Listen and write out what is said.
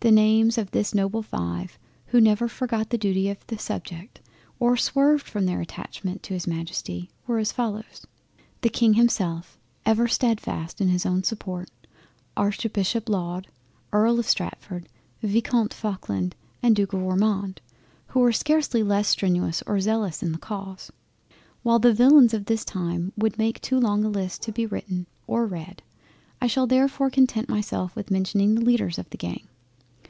The names of this noble five who never forgot the duty of the subject, or swerved from their attachment to his Majesty, were as follows—The King himself, ever stedfast in his own support—Archbishop Laud, Earl of Strafford, Viscount Faulkland and Duke of Ormond, who were scarcely less strenuous or zealous in the cause. While the villains of the time would make too long a list to be written or read; I shall therefore content myself with mentioning the leaders of the Gang.